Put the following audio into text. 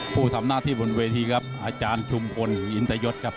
ผู้ทำหน้าที่บนเวทีครับอาจารย์ชุมพลอินตยศครับ